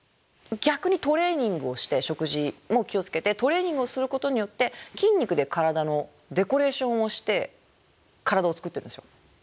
逆にトレーニングをして食事も気を付けてトレーニングをすることによって筋肉で体のデコレーションをして体を作ってるんですよ。